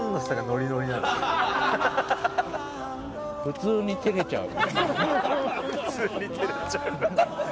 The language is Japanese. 「“普通に照れちゃう”」